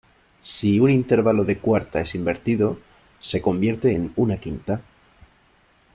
Si un intervalo de cuarta es invertido se convierte en una quinta.